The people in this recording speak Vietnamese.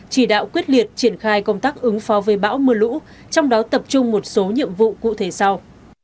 chỉ đạo quyết liệt triển khai công tác ứng phó với bão mưa lũ trong đó tập trung một số nhiệm vụ cụ thể sau